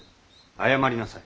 謝りなさい。